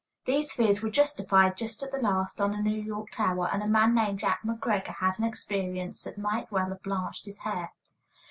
These fears were justified just at the last on the New York tower, and a man named Jack McGreggor had an experience that might well have blanched his hair.